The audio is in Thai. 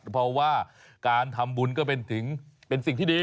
เพราะว่าการทำบุญก็เป็นสิ่งที่ดี